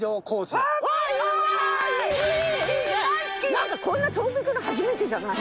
なんかこんな遠く行くの初めてじゃない？